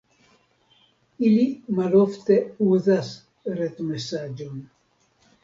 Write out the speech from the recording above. Ili malofte uzas retmesaĝon.